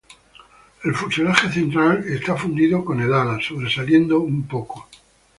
El fuselaje central está fundido con el ala, sobresaliendo un poco.